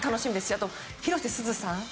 あと、広瀬すずさん